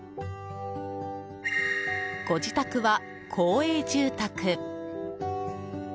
ご自宅は公営住宅。